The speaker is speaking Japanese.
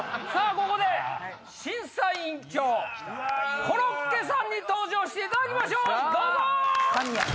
ここで審査員長コロッケさんに登場していただきましょうどうぞ！